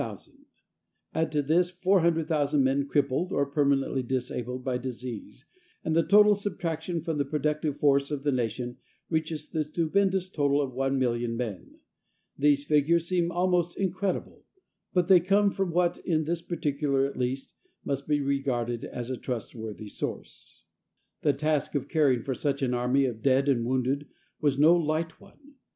Add to this 400,000 men crippled or permanently disabled by disease, and the total subtraction from the productive force of the nation reaches the stupendous total of 1,000,000 men. These figures seem almost incredible, but they come from what, in this particular at least, must be regarded as a trustworthy source. The task of caring for such an army of dead and wounded was no light one.